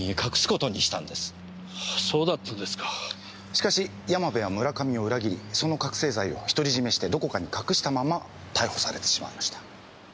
しかし山部は村上を裏切りその覚せい剤を独り占めしてどこかに隠したまま逮捕されてしまいました。